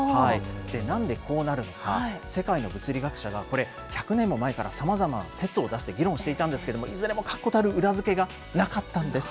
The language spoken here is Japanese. なんでこうなるのか、世界の物理学者がこれ、１００年も前からさまざまな説を出して、議論していたんですけれども、いずれも確固たる裏付けがなかったんです。